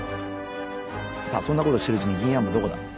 さあそんなことしているうちにギンヤンマどこだ？